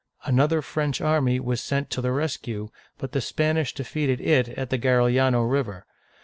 Another French army was sent to the rescue, but the Spanish defeated it at the Garigliano(ga reel ya'no) River.